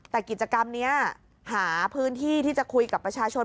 แต่กิจกรรมนี้หาพื้นที่ที่จะคุยกับประชาชน